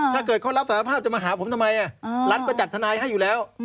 ถ้าเกิดเขารับสารภาพจะมาหาผมทำไมรัฐก็จัดทนายให้อยู่แล้ว